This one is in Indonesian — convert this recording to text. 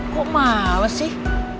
kok males sih